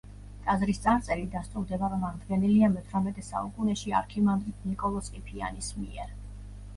ტაძრის წარწერით დასტურდება, რომ აღდგენილია მეთვრამეტე საუკუნეში არქიმანდრიტ ნიკოლოზ ყიფიანის მიერ.